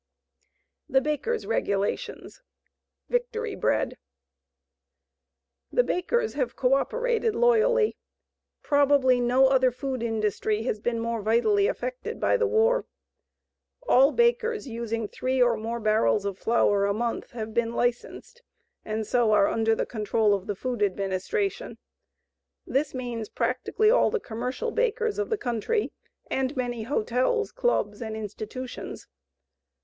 THE BAKERS' REGULATIONS. VICTORY BREAD The bakers have co operated loyally. Probably no other food industry has been more vitally affected by the war. ALL BAKERS USING THREE OR MORE BARRELS OF FLOUR A MONTH HAVE BEEN LICENSED AND SO ARE UNDER THE CONTROL OF THE FOOD ADMINISTRATION. This means practically all the commercial bakers of the country, and many hotels, clubs, and institutions.